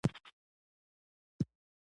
د سیاسي ګوندونو فعال غړي ځوانان دي.